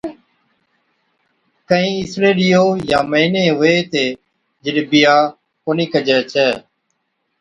ڪهِين اِسڙي ڏِيئو يان مھيني ھُوي ھِتي جِڏَ بِيھا ڪونهِي ڪَجي ڇَي